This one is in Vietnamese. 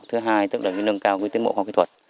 thứ hai là nâng cao kinh tế mộ khoa học kỹ thuật